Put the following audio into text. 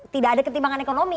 tidak ada ketimbangan ekonomi